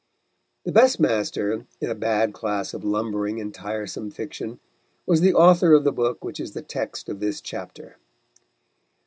The best master in a bad class of lumbering and tiresome fiction was the author of the book which is the text of this chapter.